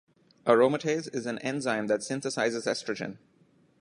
Aromatase is an enzyme that synthesizes estrogen.